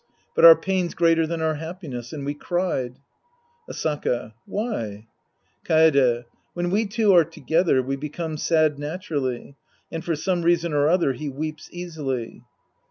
But our pain's greater than our happiness. And we cried. Asaka. Why ? Kaede. When we two are together, we become sad naturally. And for some reason or other, he weeps easily.